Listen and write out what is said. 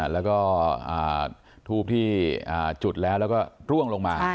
แล้วก็ทูบที่จุดแล้วแล้วก็ร่วงลงมา